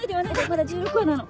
まだ１６話なの！